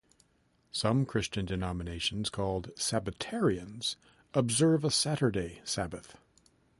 Some Christian denominations, called "Sabbatarians", observe a Saturday Sabbath.